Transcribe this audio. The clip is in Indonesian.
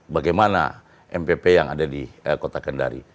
bagaimana mpp yang ada di kota kendari